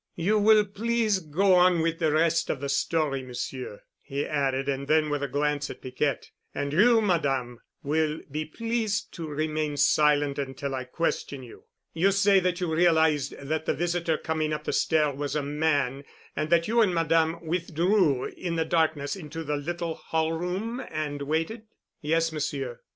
"You will please go on with the rest of the story, Monsieur," he added, and then with a glance at Piquette, "And you, Madame, will be pleased to remain silent until I question you. You say that you realized that the visitor coming up the stair was a man and that you and Madame withdrew in the darkness into the little hall room and waited?" "Yes, Monsieur."